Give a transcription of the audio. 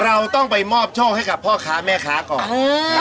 เราต้องไปมอบโชคให้กับพ่อค้าแม่ค้าก่อน